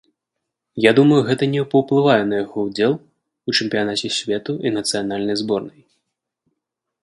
Я думаю, гэта не паўплывае на яго ўдзел у чэмпіянаце свету і нацыянальнай зборнай.